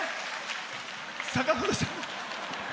坂本さん。